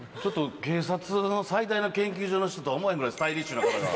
警察の最大な研究所の人とは思えんぐらいスタイリッシュな方が。